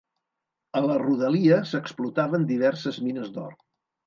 A la rodalia s'explotaven diverses mines d'or.